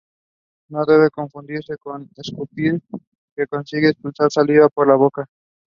Both submerged leaves and floating leaves are petiolate with lanceolate blades.